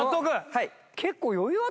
はい！